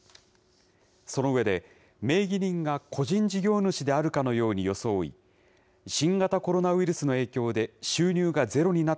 その上で、名義人が個人事業主であるかのように装い、新型コロナウイルスの影響で収入がゼロにな